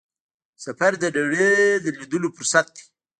سفر د نړۍ لیدلو فرصت دی.